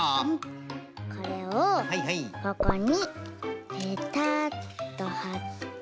これをここにペタッとはって。